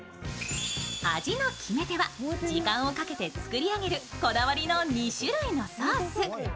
味の決め手は時間をかけて作り上げるこだわりの２種類のソース。